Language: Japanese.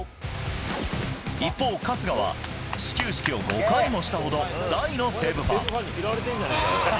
一方、春日は、始球式を５回もしたほど、大の西武ファン。